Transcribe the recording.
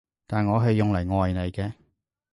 但我係用嚟愛你嘅